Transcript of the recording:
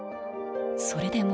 それでも。